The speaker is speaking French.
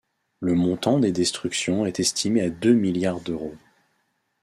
Le montant des destructions est estimé à deux milliards d'euros.